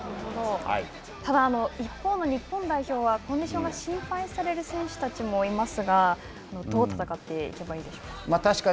ただ、一方の日本代表はコンディションが心配される選手たちもいますが、どう戦っていけばいいでしょうか。